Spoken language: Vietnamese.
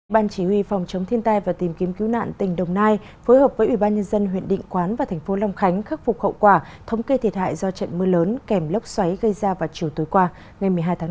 ban chỉ huy phòng chống thiên tai và tìm kiếm cứu nạn tỉnh đồng nai phối hợp với ủy ban nhân dân huyện định quán và thành phố long khánh khắc phục hậu quả thống kê thiệt hại do trận mưa lớn kèm lốc xoáy gây ra vào chiều tối qua ngày một mươi hai tháng năm